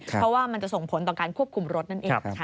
เพราะว่ามันจะส่งผลต่อการควบคุมรถนั่นเองนะคะ